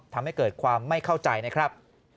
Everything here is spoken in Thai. ทำให้เกิดความไม่เข้าใจนะครับ